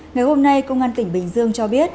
ngày hôm nay công an tỉnh bình dương cho biết